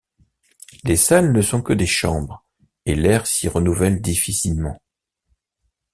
Les salles ne sont que des chambres, et l’air s’y renouvelle difficilement.